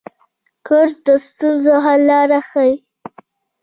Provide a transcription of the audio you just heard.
کورس د ستونزو حل لاره ښيي.